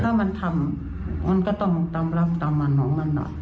ถ้ามันทำมันก็ต้องตามรับตามมันของมัน